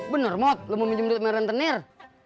bener mot lo mau minjem duit amaran tenir